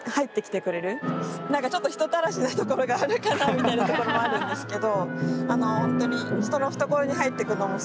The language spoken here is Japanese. みたいなところもあるんですけど。